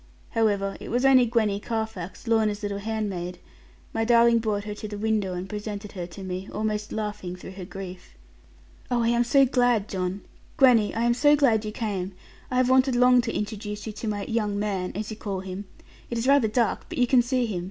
However, it was only Gwenny Carfax, Lorna's little handmaid: my darling brought her to the window and presented her to me, almost laughing through her grief. 'Oh, I am so glad, John; Gwenny, I am so glad you came. I have wanted long to introduce you to my "young man," as you call him. It is rather dark, but you can see him.